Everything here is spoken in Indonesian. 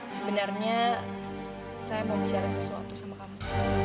sebenarnya saya mau bicara sesuatu sama kamu